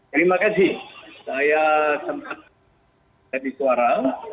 terima kasih saya sempat jadi suara